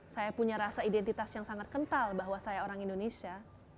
saya punya rasa identitas yang sangat kental bahwa saya orang indonesia